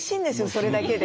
それだけで。